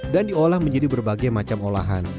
dan diolah menjadi berbagai macam olahan